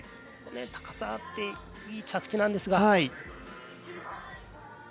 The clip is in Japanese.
高さがあっていい着地なんですが。